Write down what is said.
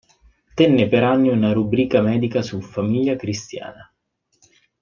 Tenne per anni una rubrica medica su "Famiglia Cristiana".